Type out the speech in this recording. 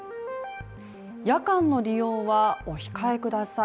夜間の利用はお控えください